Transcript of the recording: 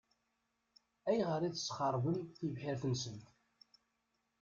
Ayɣer i tesxeṛbem tibḥirt-nsent?